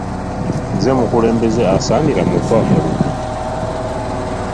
Nze mukulembeze asaanira"mumpe akalulu."